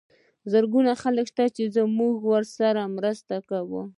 زرګونه خلک شته چې موږ ورسره مرسته کوو.